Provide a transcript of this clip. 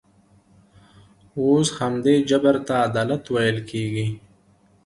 اوس همدې جبر ته عدالت ویل کېږي.